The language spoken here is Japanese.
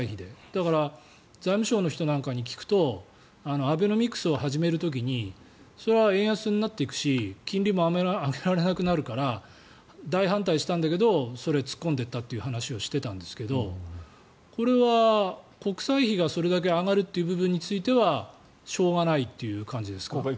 だから財務省の人なんかに聞くとアベノミクスを始める時にそれは円安になっていくし金利も上げられなくなっていくから大反対したんだけどそれに突っ込んでったという話をしていたんですけどこれは国債費がそれだけ上がるという部分についてはしょうがないという感じですか。